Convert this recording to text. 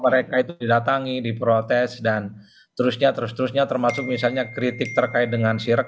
mereka itu didatangi diprotes dan terusnya terus terusnya termasuk misalnya kritik terkait dengan sirek